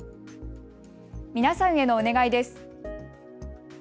皆さんへのお願いです。